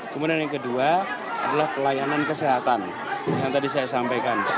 kemudian yang kedua adalah pelayanan kesehatan yang tadi saya sampaikan